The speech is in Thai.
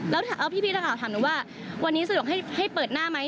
แล้วพี่นักข่าวถามหนูว่าวันนี้สะดวกให้เปิดหน้าไหม